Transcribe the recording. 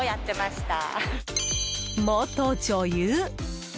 元女優！